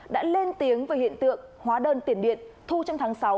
đã lên tiếng về hiện tượng hóa đơn tiền điện thu trong tháng sáu